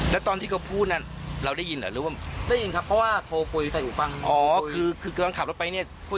แล้วตอนที่เขาพูดนั้นเราได้ยินเหรอหรือว่าได้ยินครับเพราะว่าโทรคุยใส่อู่ฟังอ๋อคือคือกำลังขับรถไปเนี่ย